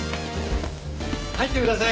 入ってください。